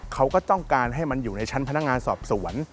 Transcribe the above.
เขาก็ต้องการให้มันอยู่ในชั้นพนักงานสอบสวน